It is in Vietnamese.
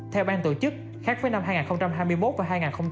theo ban tổ chức khác với năm hai nghìn hai mươi một và hai nghìn hai mươi ba